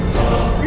kau mau ngapain